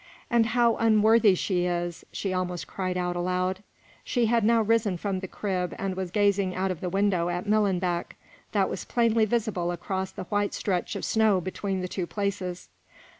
"And how unworthy she is!" she almost cried out aloud. She had now risen from the crib and was gazing out of the window at Millenbeck, that was plainly visible across the white stretch of snow between the two places.